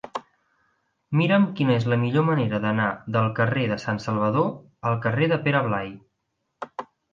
Mira'm quina és la millor manera d'anar del carrer de Sant Salvador al carrer de Pere Blai.